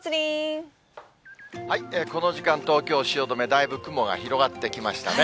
この時間、東京・汐留、だいぶ雲が広がってきましたね。